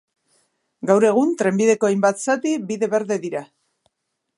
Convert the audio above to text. Gaur egun, trenbideko hainbat zati bide berde dira.